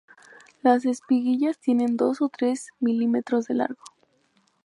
Las espiguillas tienen dos o tres milímetros de largo.